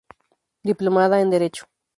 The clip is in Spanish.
Diplomada en Derecho.